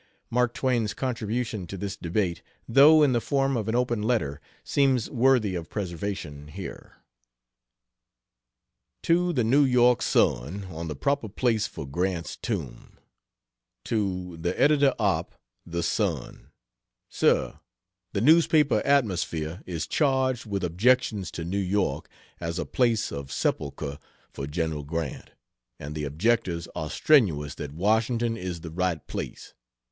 Mark Twain's contribution to this debate, though in the form of an open letter, seems worthy of preservation here. To the New York "Sun," on the proper place for Grant's Tomb: To THE EDITOR OP' THE SUN: SIR, The newspaper atmosphere is charged with objections to New York as a place of sepulchre for General Grant, and the objectors are strenuous that Washington is the right place.